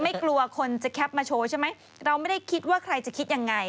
กลัวคนจะแคปมาโชว์ใช่ไหมเราไม่ได้คิดว่าใครจะคิดยังไง